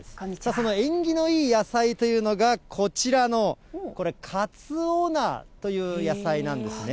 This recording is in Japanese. その縁起のいい野菜というのがこちらのこれ、かつお菜という野菜なんですね。